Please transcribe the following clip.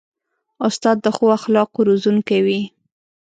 استاد د ښو اخلاقو روزونکی وي.